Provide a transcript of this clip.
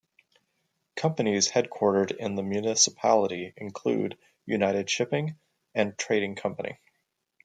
Companies headquartered in the municipality include United Shipping and Trading Company.